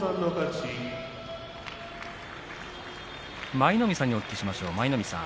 舞の海さんにお聞きしましょう。